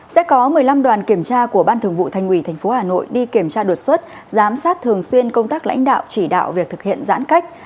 sẽ có một mươi năm đoàn kiểm tra của ban thường vụ thành ủy tp hà nội đi kiểm tra đột xuất giám sát thường xuyên công tác lãnh đạo chỉ đạo việc thực hiện giãn cách